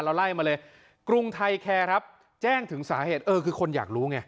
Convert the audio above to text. ไล่มาเลยกรุงไทยแคร์ครับแจ้งถึงสาเหตุเออคือคนอยากรู้ไง